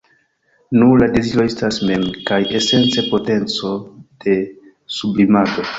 Nu, la deziro estas mem kaj esence potenco de sublimado.